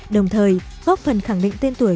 đồng thời góp phần khẳng định tên tuổi